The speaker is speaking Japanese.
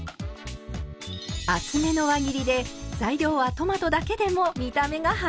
厚めの輪切りで材料はトマトだけでも見た目が華やか！